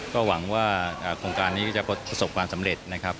ก็หวังว่าโครงการนี้จะประสบความสำเร็จนะครับ